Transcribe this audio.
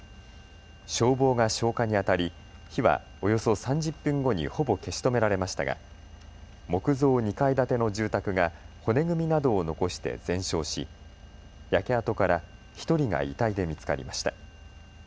消防が消火にあたり火はおよそ３０分後にほぼ消し止められましたが木造２階建ての住宅が骨組みなどを残して全焼し焼け跡から１人が遺体で見つかりました。